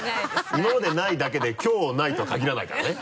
今までないだけできょうないとは限らないからね。